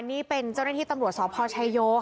นี่เป็นเจ้าหน้าที่ตำรวจสพชายโยค่ะ